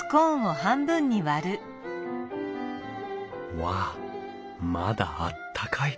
うわあまだあったかい。